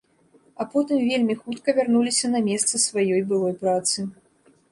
А потым вельмі хутка вярнуліся на месцы сваёй былой працы.